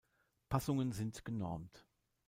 Passungen sind genormt.